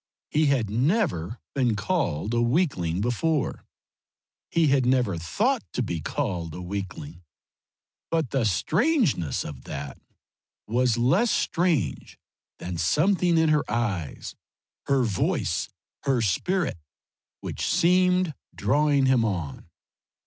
He had never been called a weakling before he had never thought to be called a weakling, but the strangeness of that was less strange than something in her eyes, her voice, her spirit, which seemed drawing him on.